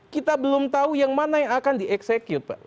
kita belum tahu yang mana yang akan dieksekut pak